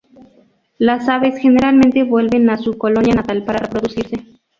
Las aves generalmente vuelven a su colonia natal para reproducirse.